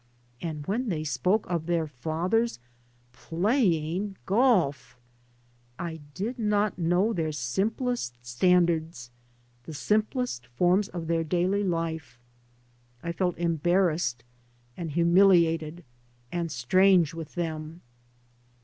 And when they spoke of their fathers " playing " golf/ I did not know their simplest stand ards, the simplest forms of their daily life. I felt embarrassed and humiliated and strange with them.